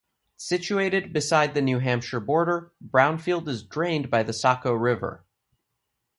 Situated beside the New Hampshire border, Brownfield is drained by the Saco River.